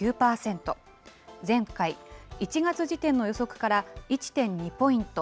前回・１月時点の予測から１．２ポイント